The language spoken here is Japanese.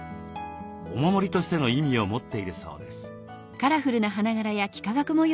お守りとしての意味を持っているそうです。